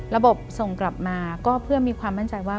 ระบบส่งกลับมาก็เพื่อมีความมั่นใจว่า